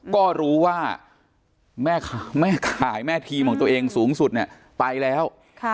ก็รู้ว่าแม่ขายแม่ทีมของตัวเองสูงสุดเนี่ยไปแล้ว